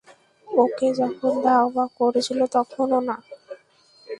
ওকে যখন ধাওয়া করছিলে তখনও না?